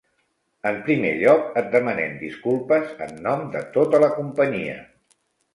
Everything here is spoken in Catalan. En primer lloc, et demanem disculpes en nom de tota la companyia.